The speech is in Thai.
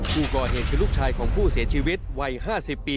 ผู้ก่อเหตุคือลูกชายของผู้เสียชีวิตวัย๕๐ปี